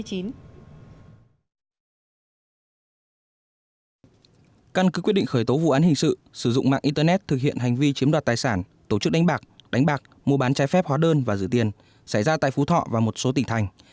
căn cứ quyết định khởi tố vụ án hình sự sử dụng mạng internet thực hiện hành vi chiếm đoạt tài sản tổ chức đánh bạc đánh bạc mua bán trái phép hóa đơn và rửa tiền xảy ra tại phú thọ và một số tỉnh thành